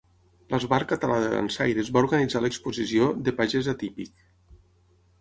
L'Esbart Català de Dansaires va organitzar l'exposició De pagès a típic.